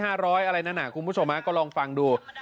๕๐๐อะไรนั่นคุณผู้ชมครับก็ลองฟังดู